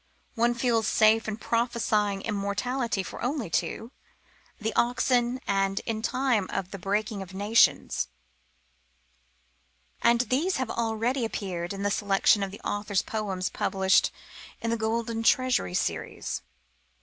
One feels safe in prophesying immortality for only two, The Oxen and In Time of "the Breaking of Nations"; and these have already appeared in the selection of the author's poems published in the Golden Treasury Series.